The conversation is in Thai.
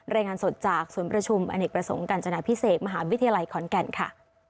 รายงานสดจากศูนย์ประชุมอเนกประสงค์การจนาพิเศษมหาวิทยาลัยขอนแก่นค่ะ